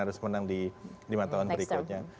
harus menang di lima tahun berikutnya